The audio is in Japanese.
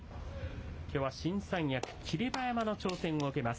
きょうは新三役・霧馬山の挑戦を受けます。